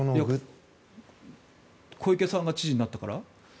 小池さんが知事になったから？